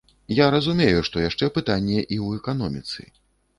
Я разумею, што яшчэ пытанне і ў эканоміцы.